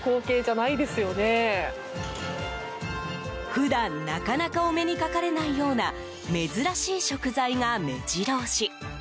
普段、なかなかお目にかかれないような珍しい食材が目白押し。